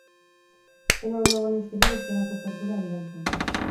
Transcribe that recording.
Dena ondo egonez gero, irteerako portura bidaltzen da.